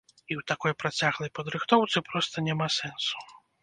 І ў такой працяглай падрыхтоўцы проста няма сэнсу.